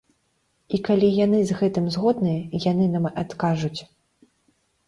І калі яны з гэтым згодныя, яны нам адкажуць.